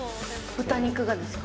豚肉がですか？